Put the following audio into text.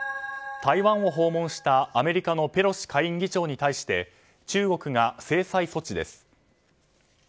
台湾を訪問したアメリカのペロシ下院議長に対して中国が制裁措置です。